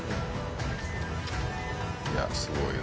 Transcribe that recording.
いやすごいわ。